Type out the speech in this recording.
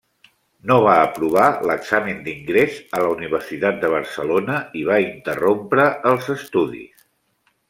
No va aprovar l'examen d'ingrés a la Universitat de Barcelona i va interrompre els estudis.